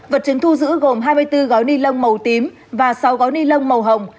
vật chứng thu giữ gồm hai mươi bốn gói ni lông màu tím và sáu gói ni lông màu hồng